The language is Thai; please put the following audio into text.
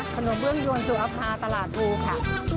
เบื้องยวนสุอภาตลาดภูค่ะ